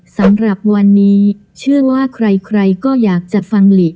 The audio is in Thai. สำหรับวันนี้เชื่อว่าใครก็อยากจะฟังหลี